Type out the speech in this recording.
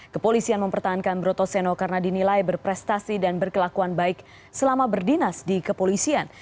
kepolisian mempertahankan broto seno karena dinilai berprestasi dan berkelakuan baik selama berdinas di kepolisian